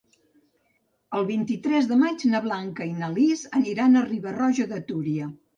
El vint-i-tres de maig na Blanca i na Lis aniran a Riba-roja de Túria.